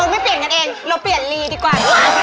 ไม่เปลี่ยนกันเองเราเปลี่ยนลีดีกว่า